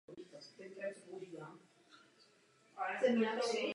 Později Levin tímto stylem nahrál například skladby „Steam“ a „Secret World“ z alba "Us".